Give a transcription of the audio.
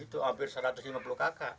itu hampir satu ratus lima puluh kakak